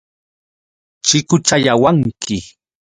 Chikuchayawanki.